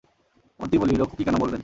মতি বলিল, খুকি কেন বলবেন?